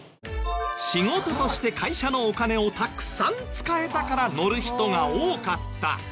仕事として会社のお金をたくさん使えたから乗る人が多かった。